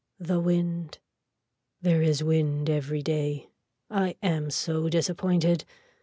The wind. There is wind every day. I am so disappointed.